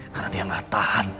karena dia gak tahan